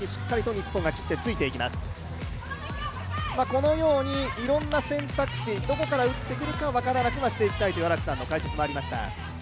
このようにいろんな選択肢、どこから打ってくるか分からなくはしていきたいという荒木さんの解説もありました。